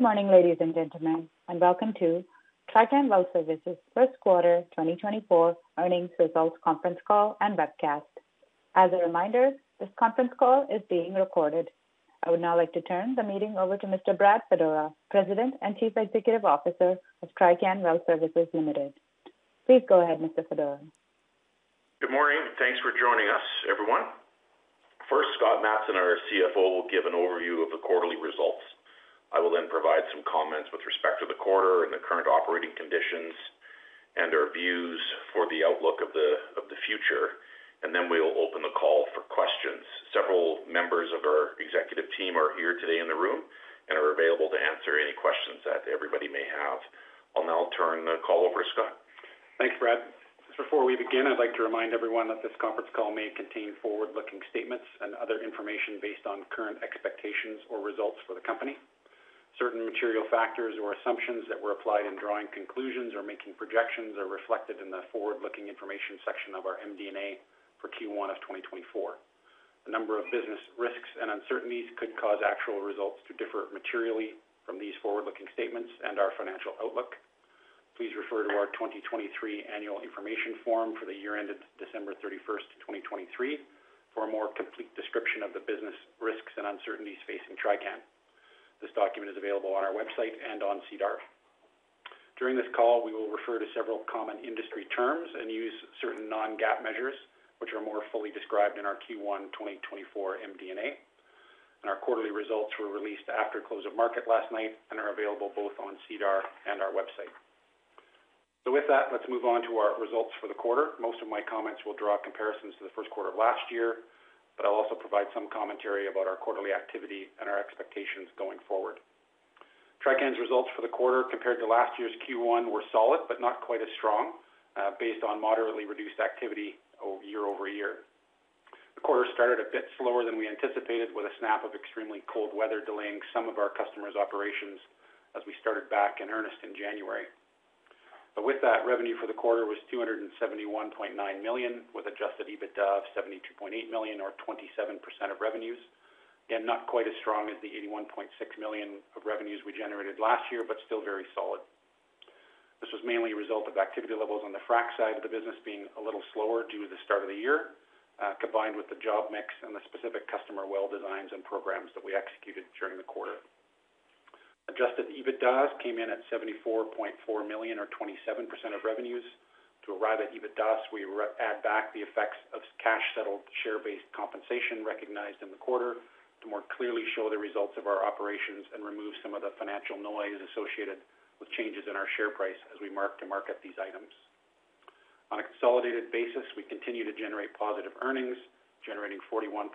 Good morning, ladies and gentlemen, and welcome to Trican Well Service Ltd.'s first quarter 2024 earnings results conference call and webcast. As a reminder, this conference call is being recorded. I would now like to turn the meeting over to Mr. Brad Fedora, President and Chief Executive Officer of Trican Well Service Ltd. Please go ahead, Mr. Fedora. Good morning, and thanks for joining us, everyone. First, Scott Matson, our CFO, will give an overview of the quarterly results. I will then provide some comments with respect to the quarter and the current operating conditions and our views for the outlook of the future, and then we'll open the call for questions. Several members of our executive team are here today in the room and are available to answer any questions that everybody may have. I'll now turn the call over to Scott. Thanks, Brad. Just before we begin, I'd like to remind everyone that this conference call may contain forward-looking statements and other information based on current expectations or results for the company. Certain material factors or assumptions that were applied in drawing conclusions or making projections are reflected in the forward-looking information section of our MD&A for Q1 of 2024. A number of business risks and uncertainties could cause actual results to differ materially from these forward-looking statements and our financial outlook. Please refer to our 2023 Annual Information Form for the year-end of December 31st, 2023, for a more complete description of the business risks and uncertainties facing Trican. This document is available on our website and on SEDAR. During this call, we will refer to several common industry terms and use certain non-GAAP measures, which are more fully described in our Q1 2024 MD&A. Our quarterly results were released after close of market last night and are available both on SEDAR+ and our website. With that, let's move on to our results for the quarter. Most of my comments will draw comparisons to the first quarter of last year, but I'll also provide some commentary about our quarterly activity and our expectations going forward. Trican's results for the quarter compared to last year's Q1 were solid but not quite as strong based on moderately reduced activity year-over-year. The quarter started a bit slower than we anticipated, with a snap of extremely cold weather delaying some of our customers' operations as we started back in earnest in January. With that, revenue for the quarter was 271.9 million with Adjusted EBITDA of 72.8 million, or 27% of revenues. Again, not quite as strong as the 81.6 million of revenues we generated last year, but still very solid. This was mainly a result of activity levels on the frac side of the business being a little slower due to the start of the year, combined with the job mix and the specific customer well designs and programs that we executed during the quarter. Adjusted EBITDA came in at 74.4 million, or 27% of revenues. To arrive at EBITDA, we add back the effects of cash-settled share-based compensation recognized in the quarter to more clearly show the results of our operations and remove some of the financial noise associated with changes in our share price as we mark to market these items. On a consolidated basis, we continue to generate positive earnings, generating 41.2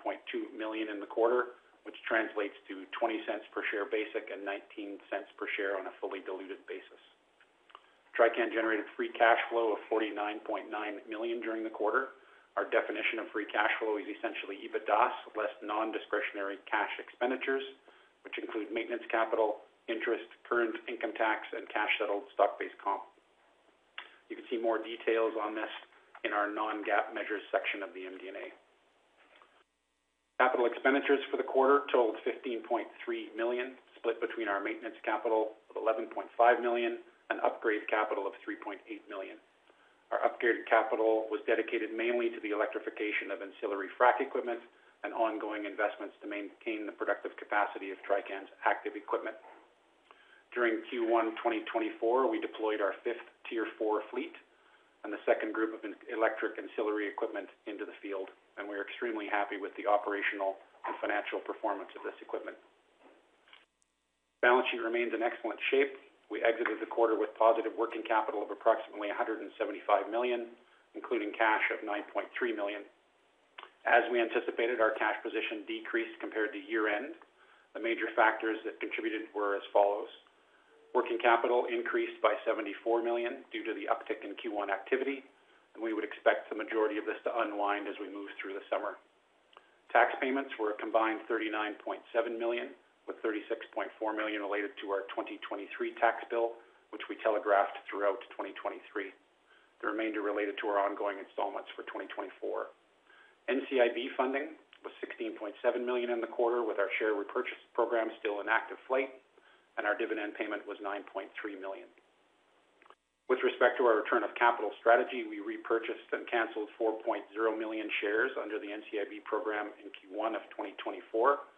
million in the quarter, which translates to 0.20 per share basic and 0.19 per share on a fully diluted basis. Trican generated free cash flow of 49.9 million during the quarter. Our definition of free cash flow is essentially EBITDA less non-discretionary cash expenditures, which include maintenance capital, interest, current income tax, and cash-settled stock-based comp. You can see more details on this in our non-GAAP measures section of the MD&A. Capital expenditures for the quarter totaled 15.3 million, split between our maintenance capital of 11.5 million and upgrade capital of 3.8 million. Our upgrade capital was dedicated mainly to the electrification of ancillary frac equipment and ongoing investments to maintain the productive capacity of Trican's active equipment. During Q1 2024, we deployed our fifth Tier 4 fleet and the second group of electric ancillary equipment into the field, and we are extremely happy with the operational and financial performance of this equipment. Balance sheet remains in excellent shape. We exited the quarter with positive working capital of approximately 175 million, including cash of 9.3 million. As we anticipated, our cash position decreased compared to year-end. The major factors that contributed were as follows: working capital increased by 74 million due to the uptick in Q1 activity, and we would expect the majority of this to unwind as we move through the summer. Tax payments were a combined 39.7 million, with 36.4 million related to our 2023 tax bill, which we telegraphed throughout 2023. The remainder related to our ongoing installments for 2024. NCIB funding was 16.7 million in the quarter, with our share repurchase program still in active flight, and our dividend payment was 9.3 million. With respect to our return of capital strategy, we repurchased and canceled 4.0 million shares under the NCIB program in Q1 of 2024.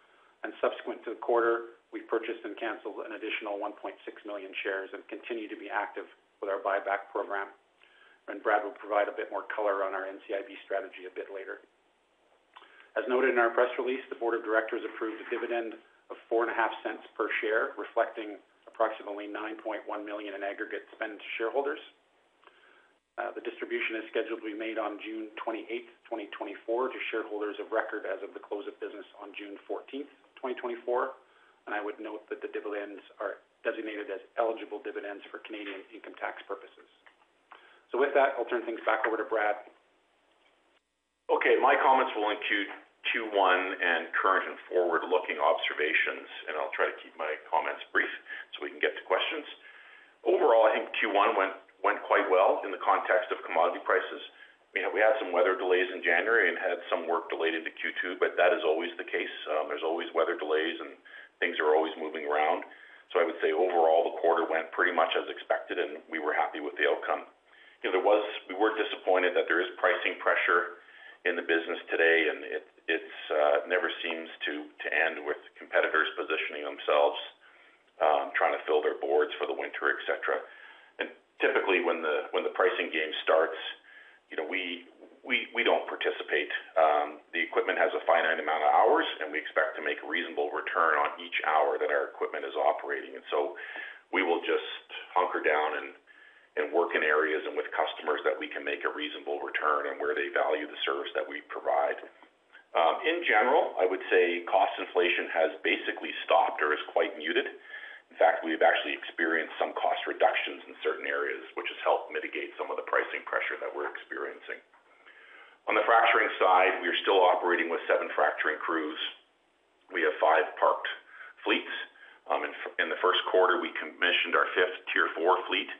Subsequent to the quarter, we purchased and canceled an additional 1.6 million shares and continue to be active with our buyback program. Brad will provide a bit more color on our NCIB strategy a bit later. As noted in our press release, the board of directors approved a dividend of 0.04 per share, reflecting approximately 9.1 million in aggregate spend to shareholders. The distribution is scheduled to be made on June 28th, 2024, to shareholders of record as of the close of business on June 14th, 2024. I would note that the dividends are designated as eligible dividends for Canadian income tax purposes. With that, I'll turn things back over to Brad. Okay, my comments will include Q1 and current and forward-looking observations, and I'll try to keep my comments brief so we can get to questions. Overall, I think Q1 went quite well in the context of commodity prices. We had some weather delays in January and had some work delayed into Q2, but that is always the case. There's always weather delays, and things are always moving around. So I would say overall, the quarter went pretty much as expected, and we were happy with the outcome. We were disappointed that there is pricing pressure in the business today, and it never seems to end with competitors positioning themselves, trying to fill their boards for the winter, etc. Typically, when the pricing game starts, we don't participate. The equipment has a finite amount of hours, and we expect to make a reasonable return on each hour that our equipment is operating. So we will just hunker down and work in areas and with customers that we can make a reasonable return and where they value the service that we provide. In general, I would say cost inflation has basically stopped or is quite muted. In fact, we've actually experienced some cost reductions in certain areas, which has helped mitigate some of the pricing pressure that we're experiencing. On the fracturing side, we are still operating with seven fracturing crews. We have five parked fleets. In the first quarter, we commissioned our fifth Tier 4 fleet,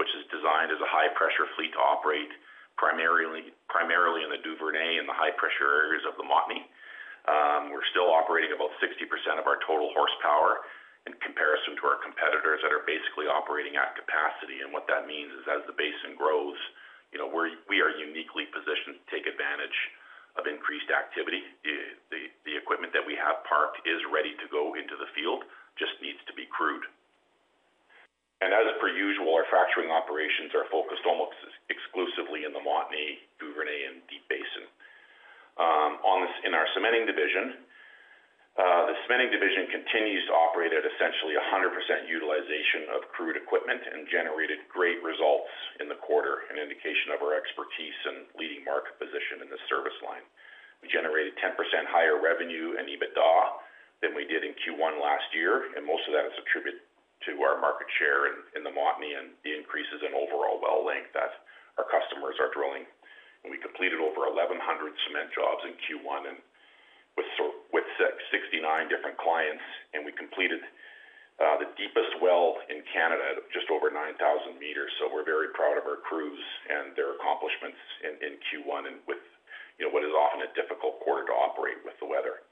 which is designed as a high-pressure fleet to operate primarily in the Duvernay and the high-pressure areas of the Montney. We're still operating about 60% of our total horsepower in comparison to our competitors that are basically operating at capacity. And what that means is as the basin grows, we are uniquely positioned to take advantage of increased activity. The equipment that we have parked is ready to go into the field, just needs to be crewed. And as per usual, our fracturing operations are focused almost exclusively in the Montney, Duvernay, and Deep Basin. In our cementing division, the cementing division continues to operate at essentially 100% utilization of crewed equipment and generated great results in the quarter, an indication of our expertise and leading market position in the service line. We generated 10% higher revenue and EBITDA than we did in Q1 last year, and most of that is attributed to our market share in the Montney and the increases in overall well length that our customers are drilling. And we completed over 1,100 cement jobs in Q1 with 69 different clients, and we completed the deepest well in Canada at just over 9,000 meters. So we're very proud of our crews and their accomplishments in Q1 and with what is often a difficult quarter to operate with the weather.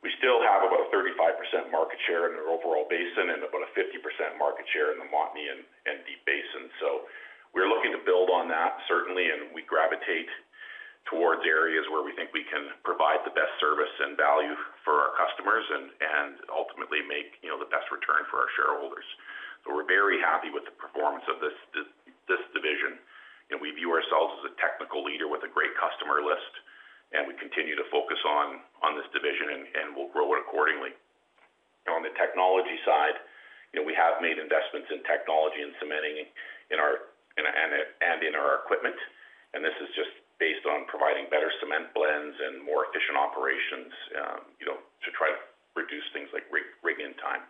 We still have about a 35% market share in our overall basin and about a 50% market share in the Montney and Deep Basin. So we're looking to build on that, certainly, and we gravitate towards areas where we think we can provide the best service and value for our customers and ultimately make the best return for our shareholders. So we're very happy with the performance of this division. We view ourselves as a technical leader with a great customer list, and we continue to focus on this division, and we'll grow it accordingly. On the technology side, we have made investments in technology and cementing and in our equipment, and this is just based on providing better cement blends and more efficient operations to try to reduce things like rig-in time.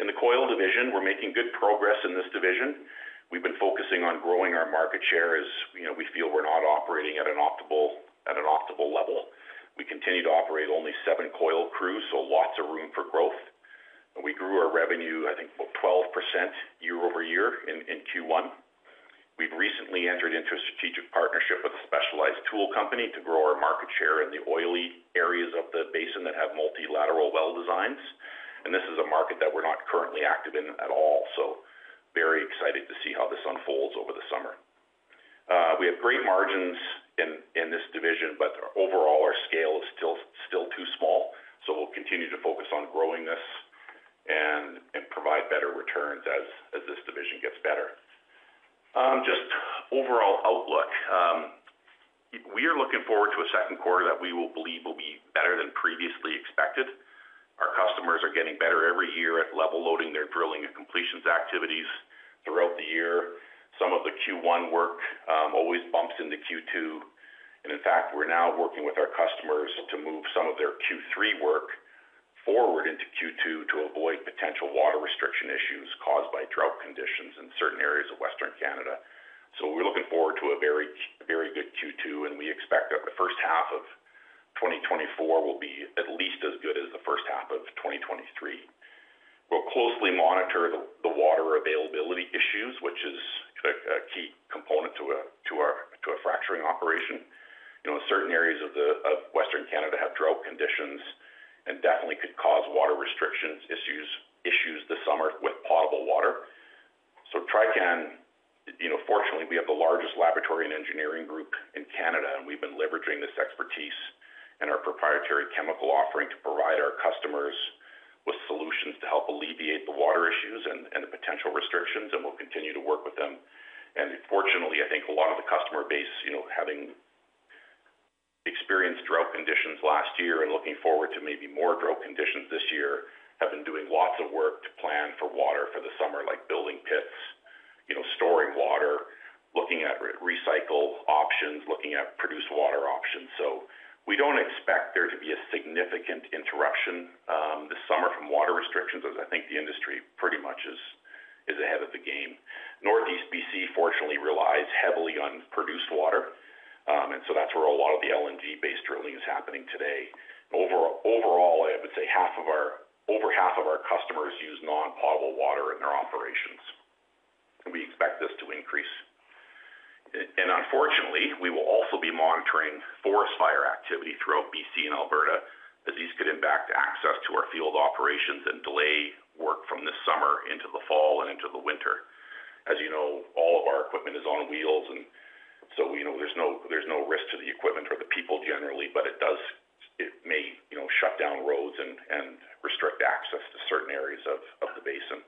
In the coil division, we're making good progress in this division. We've been focusing on growing our market share as we feel we're not operating at an optimal level. We continue to operate only seven coil crews, so lots of room for growth. We grew our revenue, I think, about 12% year-over-year in Q1. We've recently entered into a strategic partnership with a specialized tool company to grow our market share in the oily areas of the basin that have multilateral well designs. This is a market that we're not currently active in at all, so very excited to see how this unfolds over the summer. We have great margins in this division, but overall, our scale is still too small. We'll continue to focus on growing this and provide better returns as this division gets better. Just overall outlook, we are looking forward to a second quarter that we will believe will be better than previously expected. Our customers are getting better every year at level loading their drilling and completions activities throughout the year. Some of the Q1 work always bumps into Q2. In fact, we're now working with our customers to move some of their Q3 work forward into Q2 to avoid potential water restriction issues caused by drought conditions in certain areas of Western Canada. So we're looking forward to a very good Q2, and we expect that the first half of 2024 will be at least as good as the first half of 2023. We'll closely monitor the water availability issues, which is a key component to a fracturing operation. Certain areas of Western Canada have drought conditions and definitely could cause water restrictions issues this summer with potable water. So fortunately, we have the largest laboratory and engineering group in Canada, and we've been leveraging this expertise and our proprietary chemical offering to provide our customers with solutions to help alleviate the water issues and the potential restrictions, and we'll continue to work with them. Fortunately, I think a lot of the customer base, having experienced drought conditions last year and looking forward to maybe more drought conditions this year, have been doing lots of work to plan for water for the summer, like building pits, storing water, looking at recycle options, looking at produced water options. So we don't expect there to be a significant interruption this summer from water restrictions, as I think the industry pretty much is ahead of the game. Northeast BC, fortunately, relies heavily on produced water, and so that's where a lot of the LNG-based drilling is happening today. Overall, I would say over half of our customers use non-potable water in their operations, and we expect this to increase. Unfortunately, we will also be monitoring forest fire activity throughout BC and Alberta, as these could impact access to our field operations and delay work from this summer into the fall and into the winter. As you know, all of our equipment is on wheels, and so there's no risk to the equipment or the people generally, but it may shut down roads and restrict access to certain areas of the basin.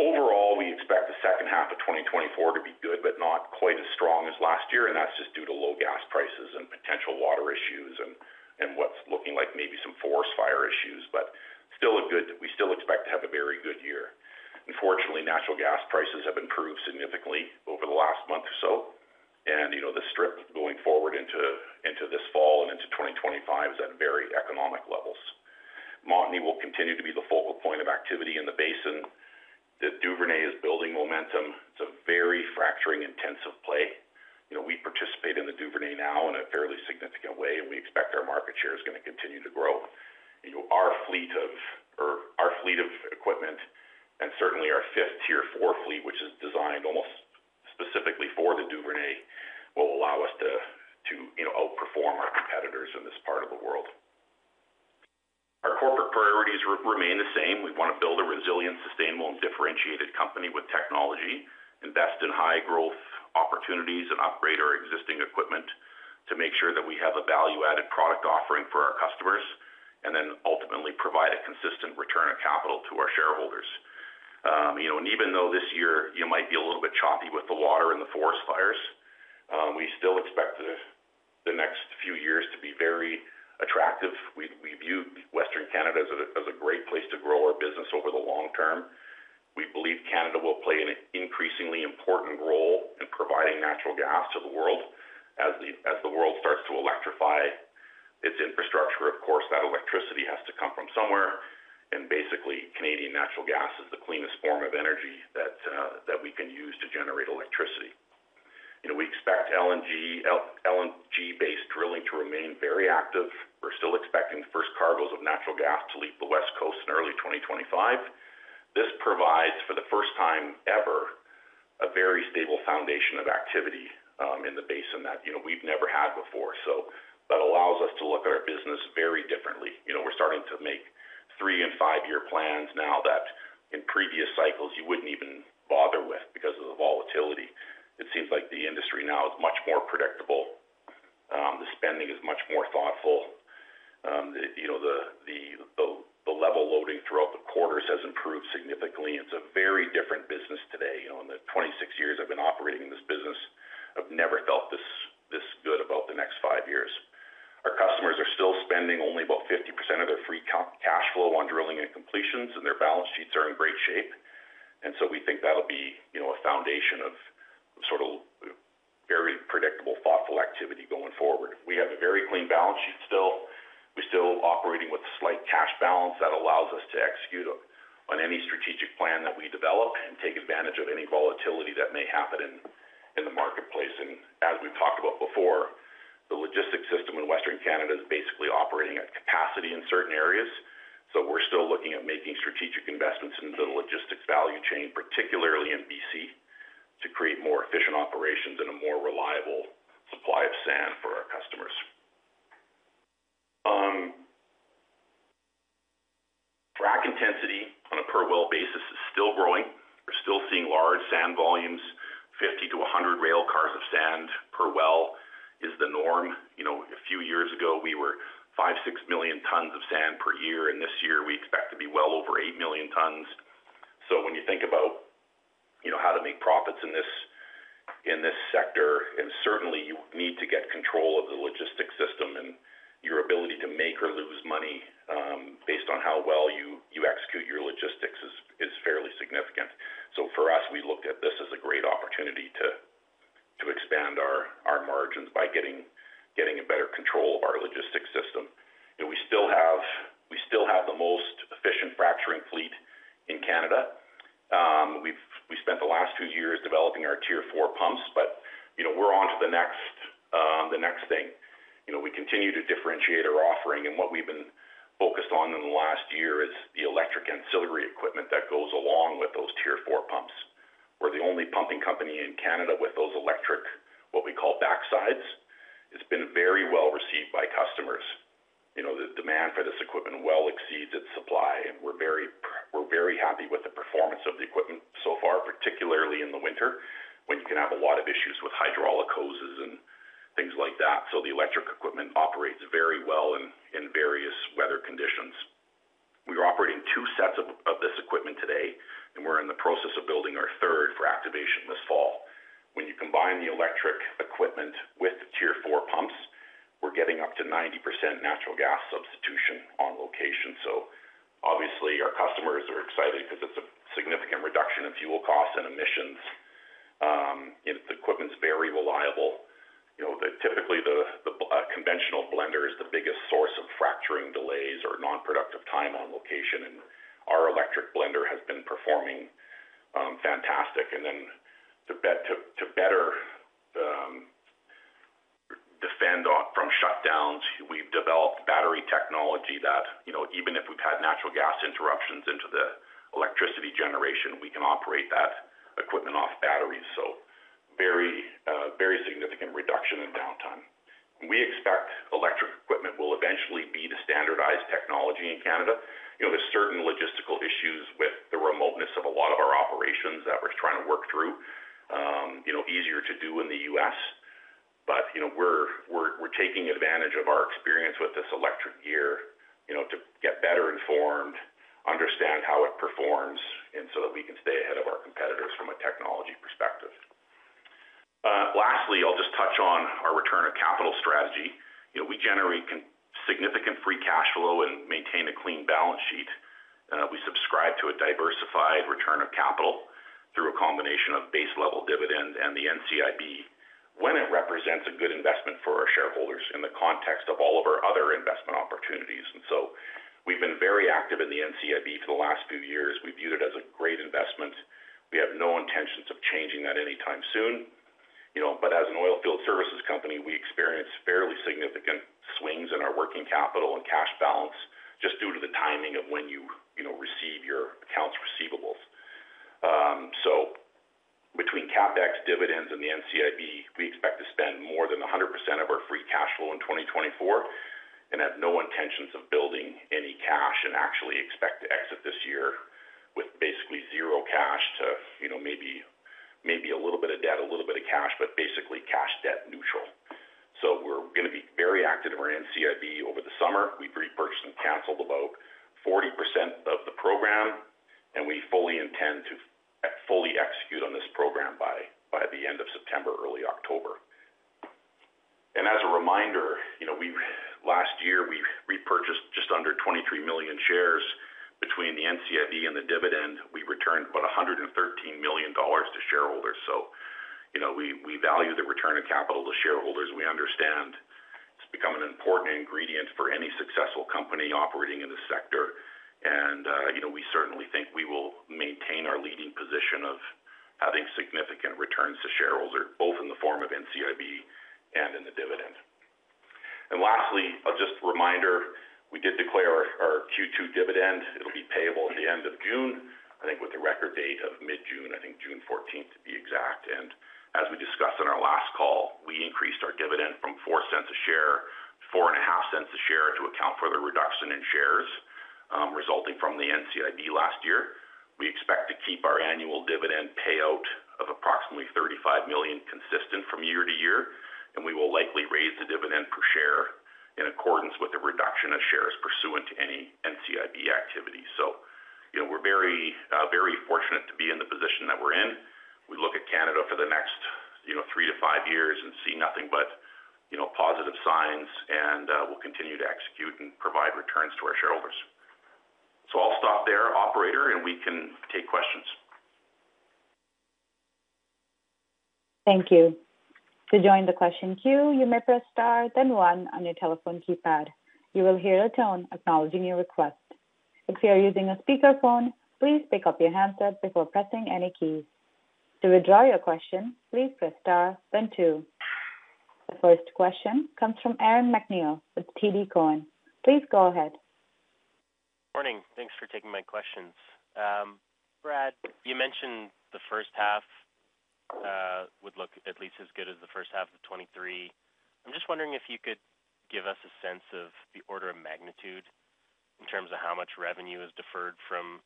Overall, we expect the second half of 2024 to be good but not quite as strong as last year, and that's just due to low gas prices and potential water issues and what's looking like maybe some forest fire issues. But still a good, we still expect to have a very good year. Unfortunately, natural gas prices have improved significantly over the last month or so, and the strip going forward into this fall and into 2025 is at very economic levels. Montney will continue to be the focal point of activity in the basin. The Duvernay is building momentum. It's a very fracturing-intensive play. We participate in the Duvernay now in a fairly significant way, and we expect our market share is going to continue to grow. Our fleet of equipment and certainly our fifth Tier 4 fleet, which is designed almost specifically for the Duvernay, will allow us to outperform our competitors in this part of the world. Our corporate priorities remain the same. We want to build a resilient, sustainable, and differentiated company with technology, invest in high-growth opportunities, and upgrade our existing equipment to make sure that we have a value-added product offering for our customers, and then ultimately provide a consistent return of capital to our shareholders. Even though this year might be a little bit choppy with the water and the forest fires, we still expect the next few years to be very attractive. We view Western Canada as a great place to grow our business over the long term. We believe Canada will play an increasingly important role in providing natural gas to the world. As the world starts to electrify its infrastructure, of course, that electricity has to come from somewhere. Basically, Canadian natural gas is the cleanest form of energy that we can use to generate electricity. We expect LNG-based drilling to remain very active. We're still expecting the first cargoes of natural gas to leave the West Coast in early 2025. This provides, for the first time ever, a very stable foundation of activity in the basin that we've never had before. So that allows us to look at our business very differently. We're starting to make three- and five-year plans now that in previous cycles, you wouldn't even bother with because of the volatility. It seems like the industry now is much more predictable. The spending is much more thoughtful. The level loading throughout and your ability to make or lose money based on how well you execute your logistics is fairly significant. So for us, we looked at this as a great opportunity to expand our margins by getting a better control of our logistics system. We still have the most efficient fracturing fleet in Canada. We spent the last few years developing our Tier 4 pumps, but we're on to the next thing. We continue to differentiate our offering, and what we've been focused on in the last year is the electric ancillary equipment that goes along with those Tier 4 pumps. We're the only pumping company in Canada with those electric, what we call, backsides. It's been very well received by customers. The demand for this equipment well exceeds its supply, and we're very happy with the performance of the equipment so far, particularly in the winter when you can have a lot of issues with hydraulic hoses and things like that. So the electric equipment operates very well in various weather conditions. We're operating two sets of this equipment today, and we're in the process of building our third for activation this fall. When you combine the electric equipment with the Tier 4 pumps, we're getting up to 90% natural gas substitution on location. So obviously, our customers are excited because it's a significant reduction in fuel costs and emissions. The equipment's very reliable. Typically, the conventional blender is the biggest source of fracturing delays or nonproductive time on location, and our electric blender has been performing fantastic. And then to better defend from shutdowns, we've developed battery technology that even if we've had natural gas interruptions into the electricity generation, we can operate that equipment off batteries. So very significant reduction in downtime. We expect electric equipment will eventually be the standardized technology in Canada. There's certain logistical issues with the remoteness of a lot of our operations that we're trying to work through, easier to do in the U.S. But we're taking advantage of our experience with this electric gear to get better informed, understand how it performs, and so that we can stay ahead of our competitors from a technology perspective. Lastly, I'll just touch on our return of capital strategy. We generate significant free cash flow and maintain a clean balance sheet. We subscribe to a diversified return of capital through a combination of base-level dividend and the NCIB when it represents a good investment for our shareholders in the context of all of our other investment opportunities. So we've been very active in the NCIB for the last few years. We viewed it as a great investment. We have no intentions of changing that anytime soon. As an oilfield services company, we experience fairly significant swings in our working capital and cash balance just due to the timing of when you receive your accounts receivables. So between CapEx, dividends, and the NCIB, we expect to spend more than 100% of our free cash flow in 2024 and have no intentions of building any cash and actually expect to exit this year with basically zero cash to maybe a little bit of debt, a little bit of cash, but basically cash debt neutral. So we're going to be very active in our NCIB over the summer. We've repurchased and canceled about 40% of the program, and we fully intend to fully execute on this program by the end of September, early October. And as a reminder, last year, we repurchased just under 23 million shares. Between the NCIB and the dividend, we returned about 113 million dollars to shareholders. So we value the return of capital to shareholders. We understand it's become an important ingredient for any successful company operating in this sector. We certainly think we will maintain our leading position of having significant returns to shareholders, both in the form of NCIB and in the dividend. And lastly, a just reminder, we did declare our Q2 dividend. It'll be payable at the end of June, I think, with a record date of mid-June, I think June 14th to be exact. And as we discussed in our last call, we increased our dividend from 0.04 per share to 0.045 per share to account for the reduction in shares resulting from the NCIB last year. We expect to keep our annual dividend payout of approximately 35 million consistent from year to year, and we will likely raise the dividend per share in accordance with the reduction of shares pursuant to any NCIB activity. So we're very fortunate to be in the position that we're in. We look at Canada for the next three-five years and see nothing but positive signs, and we'll continue to execute and provide returns to our shareholders. I'll stop there, operator, and we can take questions. Thank you. To join the question queue, you may press star, then one on your telephone keypad. You will hear a tone acknowledging your request. If you are using a speakerphone, please pick up your handset before pressing any keys. To withdraw your question, please press star, then two. The first question comes from Aaron MacNeil with TD Cowen. Please go ahead. Morning. Thanks for taking my questions. Brad, you mentioned the first half would look at least as good as the first half of 2023. I'm just wondering if you could give us a sense of the order of magnitude in terms of how much revenue is deferred from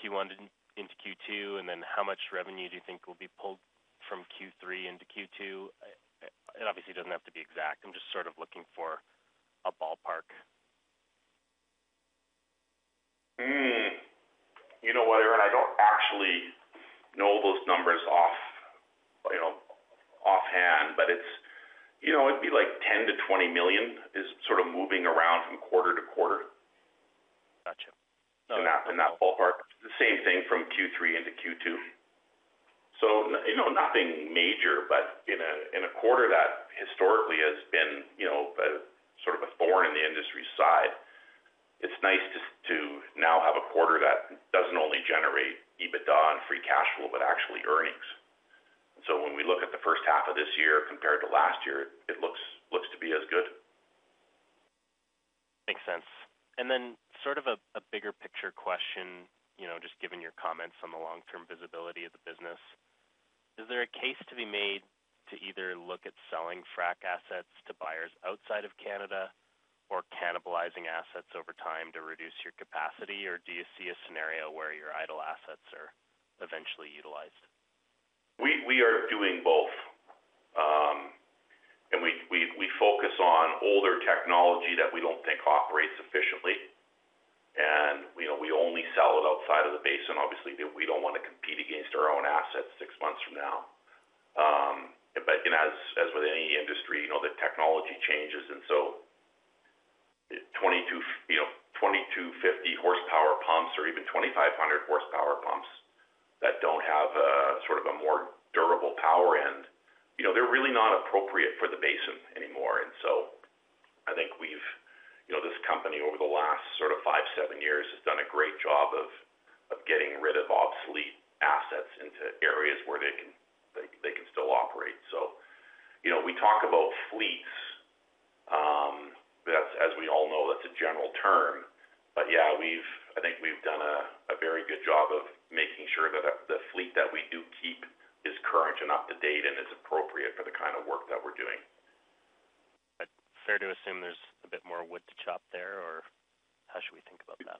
Q1 into Q2, and then how much revenue do you think will be pulled from Q3 into Q2? It obviously doesn't have to be exact. I'm just sort of looking for a ballpark. You know what, Aaron? I don't actually know those numbers offhand, but it'd be like 10 million-20 million is sort of moving around from quarter-to-quarter. Gotcha. In that ballpark. The same thing from Q3 into Q2. So nothing major, but in a quarter that historically has been sort of a thorn in the industry's side, it's nice to now have a quarter that doesn't only generate EBITDA and free cash flow but actually earnings. And so when we look at the first half of this year compared to last year, it looks to be as good. Makes sense. Then sort of a bigger picture question, just given your comments on the long-term visibility of the business, is there a case to be made to either look at selling frac assets to buyers outside of Canada or cannibalizing assets over time to reduce your capacity, or do you see a scenario where your idle assets are eventually utilized? We are doing both. We focus on older technology that we don't think operates efficiently, and we only sell it outside of the basin. Obviously, we don't want to compete against our own assets six months from now. As with any industry, the technology changes, and so 2250 horsepower pumps or even 2500 horsepower pumps that don't have sort of a more durable power end, they're really not appropriate for the basin anymore. I think this company, over the last sort of five, seven years, has done a great job of getting rid of obsolete assets into areas where they can still operate. We talk about fleets. As we all know, that's a general term. But yeah, I think we've done a very good job of making sure that the fleet that we do keep is current and up to date and is appropriate for the kind of work that we're doing. Fair to assume there's a bit more wood to chop there, or how should we think about that?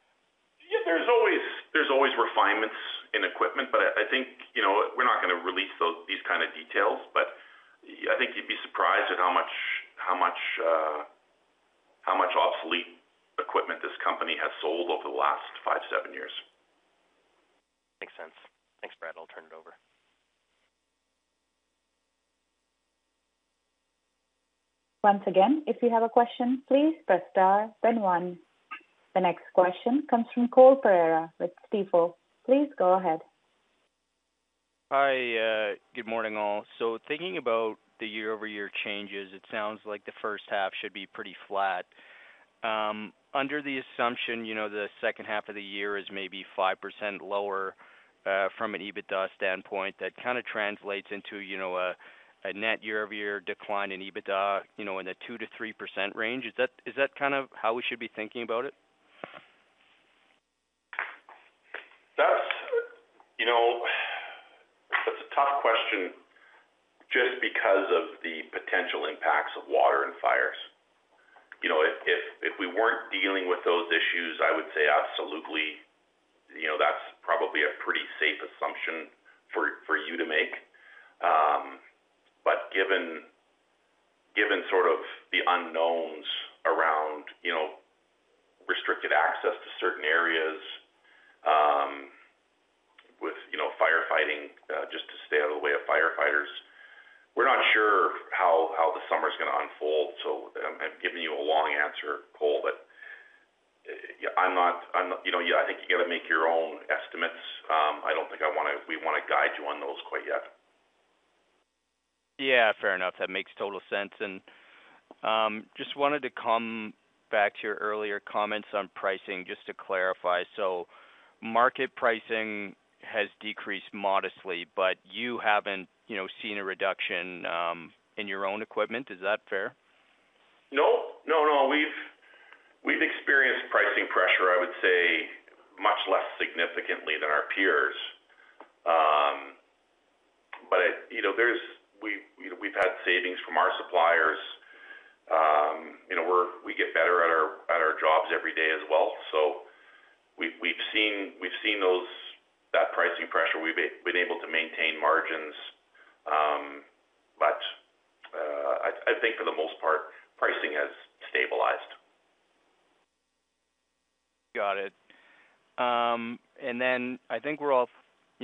Yeah, there's always refinements in equipment, but I think we're not going to release these kind of details. But I think you'd be surprised at how much obsolete equipment this company has sold over the last 5, 7 years. Makes sense. Thanks, Brad. I'll turn it over. Once again, if you have a question, please press star, then one. The next question comes from Cole Pereira with Stifel. Please go ahead. Hi. Good morning, all. So thinking about the year-over-year changes, it sounds like the first half should be pretty flat. Under the assumption, the second half of the year is maybe 5% lower from an EBITDA standpoint, that kind of translates into a net year-over-year decline in EBITDA in the 2%-3% range. Is that kind of how we should be thinking about it? That's a tough question just because of the potential impacts of water and fires. If we weren't dealing with those issues, I would say absolutely, that's probably a pretty safe assumption for you to make. But given sort of the unknowns around restricted access to certain areas with firefighting, just to stay out of the way of firefighters, we're not sure how the summer's going to unfold. So I'm giving you a long answer, Cole, but I'm not yeah, I think you got to make your own estimates. I don't think I want to we want to guide you on those quite yet. Yeah, fair enough. That makes total sense. Just wanted to come back to your earlier comments on pricing just to clarify. Market pricing has decreased modestly, but you haven't seen a reduction in your own equipment. Is that fair? No, no, no. We've experienced pricing pressure, I would say, much less significantly than our peers. But we've had savings from our suppliers. We get better at our jobs every day as well. So we've seen that pricing pressure. We've been able to maintain margins. But I think for the most part, pricing has stabilized. Got it. Then I think we're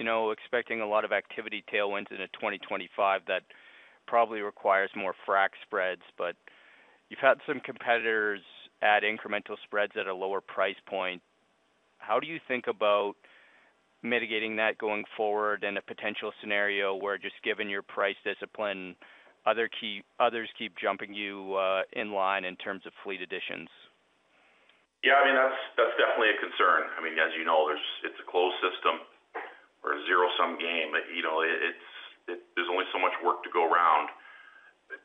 all expecting a lot of activity tailwinds into 2025 that probably requires more frac spreads. But you've had some competitors add incremental spreads at a lower price point. How do you think about mitigating that going forward in a potential scenario where, just given your price discipline, others keep jumping you in line in terms of fleet additions? Yeah, I mean, that's definitely a concern. I mean, as you know, it's a closed system. We're a zero-sum game. There's only so much work to go around.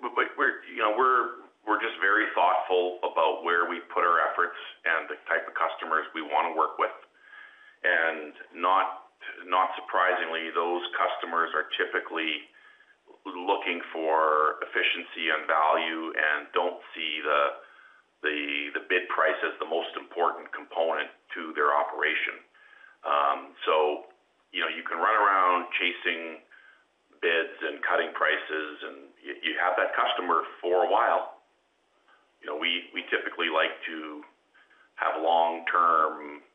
But we're just very thoughtful about where we put our efforts and the type of customers we want to work with. And not surprisingly, those customers are typically looking for efficiency and value and don't see the bid price as the most important component to their operation. So you can run around chasing bids and cutting prices, and you have that customer for a while. We typically like to have long-term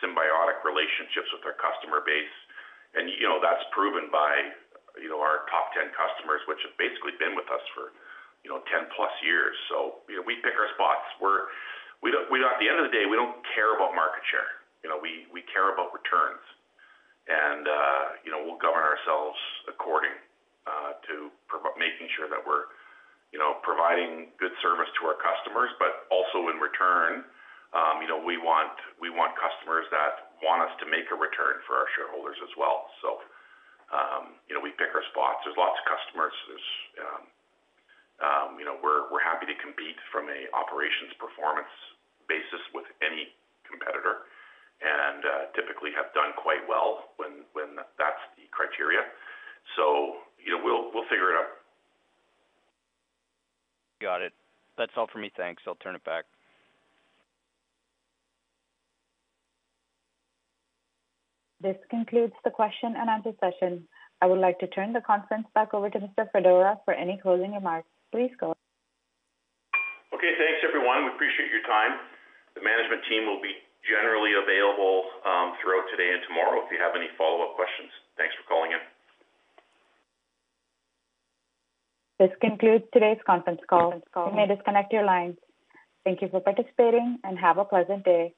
symbiotic relationships with our customer base. And that's proven by our top 10 customers, which have basically been with us for 10+ years. So we pick our spots. At the end of the day, we don't care about market share. We care about returns. And we'll govern ourselves according to making sure that we're providing good service to our customers. But also in return, we want customers that want us to make a return for our shareholders as well. So we pick our spots. There's lots of customers. We're happy to compete from an operations performance basis with any competitor and typically have done quite well when that's the criteria. So we'll figure it out. Got it. That's all for me. Thanks. I'll turn it back. This concludes the question and answer session. I would like to turn the conference back over to Mr. Fedora for any closing remarks. Please go. Okay. Thanks, everyone. We appreciate your time. The management team will be generally available throughout today and tomorrow if you have any follow-up questions. Thanks for calling in. This concludes today's conference call. You may disconnect your line. Thank you for participating, and have a pleasant day.